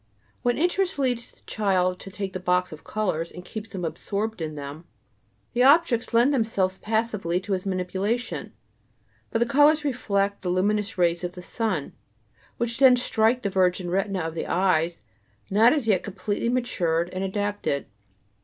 When interest leads the child to take the box of colors, and keeps him absorbed in them, the objects lend themselves passively to his manipulation, but the colors reflect the luminous rays of the sun, which then strike the virgin retinae of eyes not as yet completely matured and adapted.